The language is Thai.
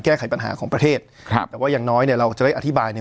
แก้ไขปัญหาของประเทศครับแต่ว่าอย่างน้อยเนี่ยเราจะได้อธิบายใน